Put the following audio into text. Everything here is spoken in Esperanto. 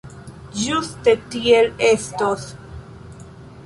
Ĝuste tiel estos.